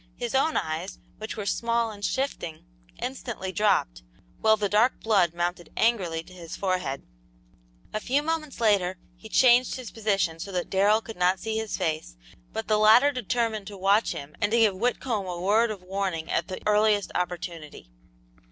His own eyes, which were small and shifting, instantly dropped, while the dark blood mounted angrily to his forehead. A few moments later, he changed his position so that Darrell could not see his face, but the latter determined to watch him and to give Whitcomb a word of warning at the earliest opportunity.